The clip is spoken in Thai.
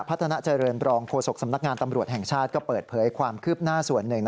พัฒนาเจริญรองโฆษกสำนักงานตำรวจแห่งชาติก็เปิดเผยความคืบหน้าส่วนหนึ่ง